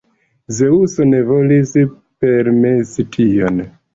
Zeŭso ne volis permesi tion.